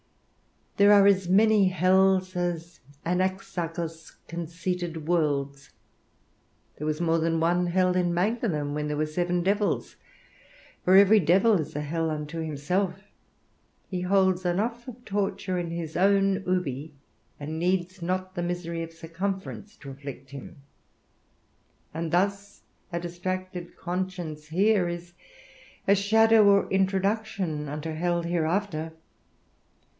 There are as many hells as Anaxarchus conceited worlds: there was more than one hell in Magdalen, when there were seven devils, for every devil is an hell unto himself; he holds enough of torture in his own ubi, and needs not the misery of circumference to afflict him; and thus a distracted conscience here is a shadow or introduction unto hell hereafter.